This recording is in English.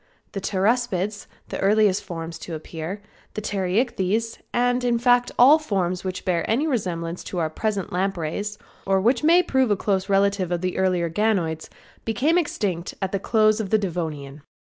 The Pteraspids, the earliest forms to appear; the Pterichthys, in fact, all forms which bear any resemblance to our present lampreys, or which may prove a close relative of the earlier ganoids, became extinct at close of the Devonian.